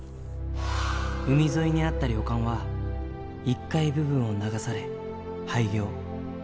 海沿いにあった旅館は１階部分を流され、廃業。